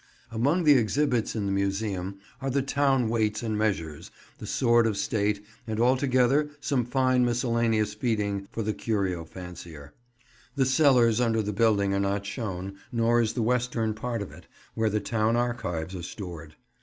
Among the exhibits in the Museum are the town weights and measures, the sword of state, and altogether some fine miscellaneous feeding for the curio fancier. The cellars under the building are not shown, nor is the western part of it, where the town archives are stored.